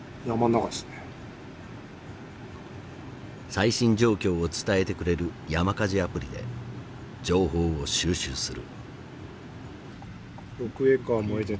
最新状況を伝えてくれる山火事アプリで情報を収集する。